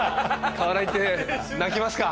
河原行って泣きますか！